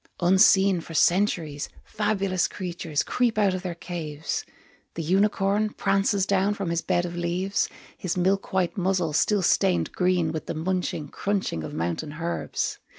Unseen for centuries, Fabulous creatures creep out of their caves, The unicorn Prances down from his bed of leaves, His milk white muzzle still stained green With the munching, crunching of mountain herbs.